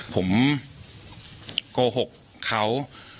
ผมโกหกเขา